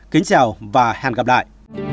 kính chào và hẹn gặp lại